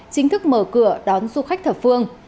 chính thức mở cửa đón du khách thập phương